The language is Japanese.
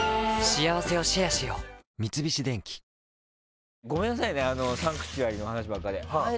三菱電機ごめんなさいね「サンクチュアリ」の話ばっかで。